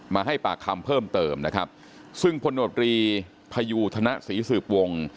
มาให้ปากคำเพิ่มเติมนะครับซึ่งพลโนตรีพยูธนศรีสืบวง